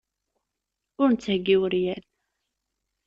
Ur netthegi iweryan.